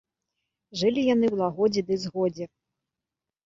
Жылі яны ў лагодзе ды згодзе.